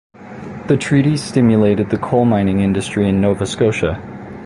The treaty stimulated the coal mining industry in Nova Scotia.